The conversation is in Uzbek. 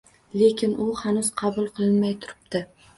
Lekin u hanuz qabul qilinmay turibdi.